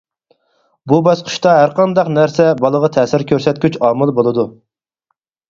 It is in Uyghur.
بۇ باسقۇچتا ھەرقانداق نەرسە بالىغا تەسىر كۆرسەتكۈچ ئامىل بولىدۇ.